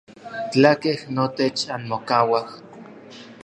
Tlakej notech anmokauaj.